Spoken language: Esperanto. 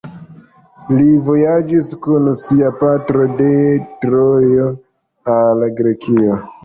Li vojaĝis kun sia patro de Trojo al Grekio.